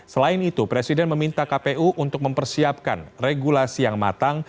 selain itu presiden meminta kpu untuk mempersiapkan regulasi yang matang